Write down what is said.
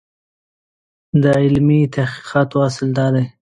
د علمي تحقیقاتو اصل دا دی.